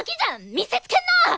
見せつけんな！